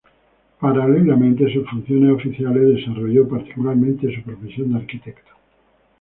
Paralelamente a sus funciones oficiales, desarrolló particularmente su profesión de arquitecto.